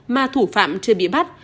mà thủ phạm chưa bị bắt